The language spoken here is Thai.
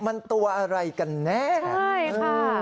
มันตัวอะไรกันแน่ใช่ค่ะ